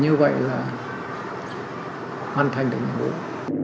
thì như vậy là hoàn thành được